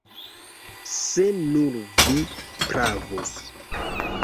Se nur vi pravus!